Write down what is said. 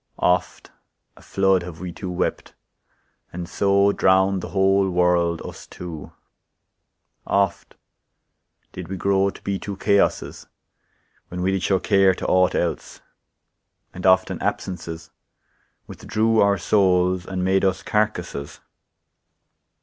Oft a flood Have we two wept, and so Drown'd the whole world, us two ; oft did we grow, To be two chaoses, when we did show Care to aught else ; and often absences Withdrew our souls, and made us carcasses.